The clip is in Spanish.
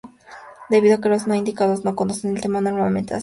Debido a que los no iniciados no conocen el tema, normalmente aceptan.